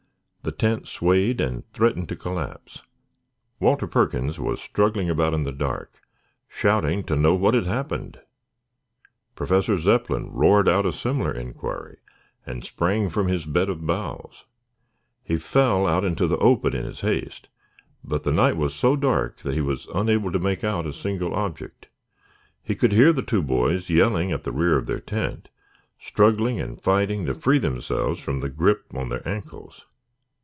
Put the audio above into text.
The tent swayed and threatened to collapse. Walter Perkins was struggling about in the dark, shouting to know what had happened. Professor Zepplin roared out a similar inquiry and sprang from his bed of boughs. He fell out into the open in his haste, but the night was so dark that he was unable to make out a single object. He could hear the two boys yelling at the rear of their tent, struggling and fighting to free themselves from the grip on their ankles.